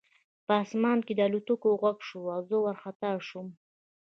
په آسمان کې د الوتکو غږ شو او زه وارخطا شوم